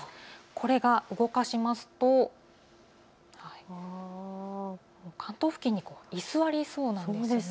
これが動かしますと、関東付近に居座りそうなんですね。